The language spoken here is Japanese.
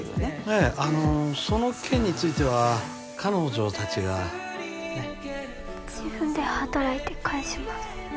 ええあのその件については彼女達がねっ自分で働いて返します